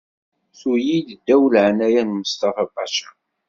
Tuli-d ddaw leɛnaya n Mustafa Paca.